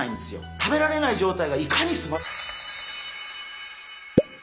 食べられない状態がいかに。